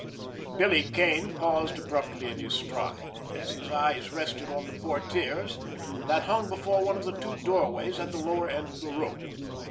Billy Kane paused abruptly in his stride, as his eyes rested on the portières that hung before one of the two doorways at the lower end of the room.